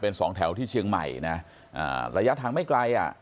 เป็นสองแถวที่เชียงใหม่ระยะทางไม่ไกล